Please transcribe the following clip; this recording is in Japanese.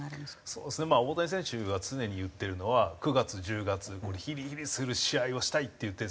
そうですね大谷選手が常に言ってるのは「９月１０月ヒリヒリする試合をしたい」って言ってるんですよ。